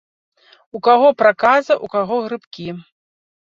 У каго праказа, у каго грыбкі.